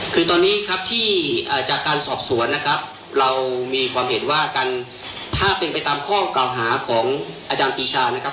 คือตอนนี้ครับที่จากการสอบสวนนะครับเรามีความเห็นว่าการถ้าเป็นไปตามข้อเก่าหาของอาจารย์ปีชานะครับ